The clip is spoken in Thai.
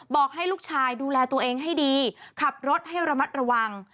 บอกให้ลูกชายดูแลตัวเองให้ดีขับรถให้ระมัดระวัง